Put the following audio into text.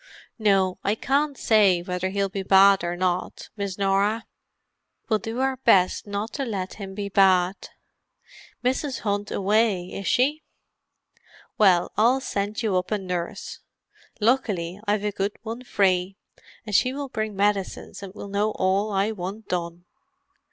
"No, I can't say yet whether he'll be bad or not, Miss Norah. We'll do our best not to let him be bad. Mrs. Hunt away, is she? Well, I'll send you up a nurse. Luckily I've a good one free—and she will bring medicines and will know all I want done."